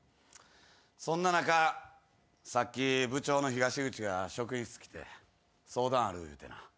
そんな中さっき部長の東口が職員室来て相談ある言うてな。